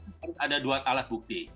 harus ada dua alat bukti